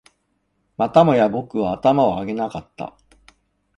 またもや僕は頭を上げなかった